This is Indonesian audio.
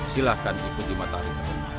silahkan ikuti mata harimau